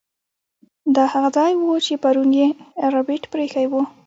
دا هغه ځای و چې پرون یې ربیټ پریښی و